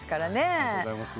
ありがとうございます。